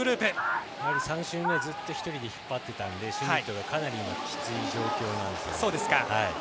やはり３周目をずっと１人で引っ張っていたのでシュミットがかなりきつい状況なんです。